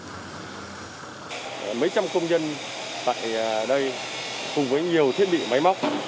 mấy trăm công nhân tại đây cùng với nhiều thiết bị máy móc